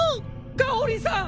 香織さん！